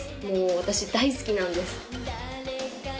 もう私大好きなんです